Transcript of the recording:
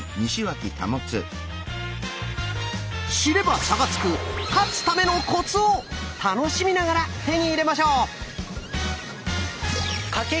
知れば差がつく「勝つためのコツ」を楽しみながら手に入れましょう！